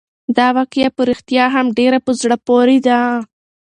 دا واقعه په رښتیا هم ډېره په زړه پورې ده.